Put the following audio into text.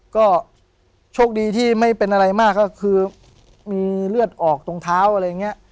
ก็โชคดีที่ไม่เป็นอะไรมากก็คือมีเลือดออกตรงเท้าอะไรอย่างนี้